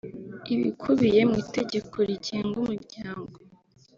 ibikubiye mu itegeko rigenga umuryango